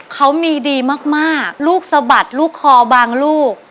เขามีดีมากลูกสะบัดลูกคอบางลูก